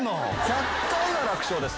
１００回は楽勝です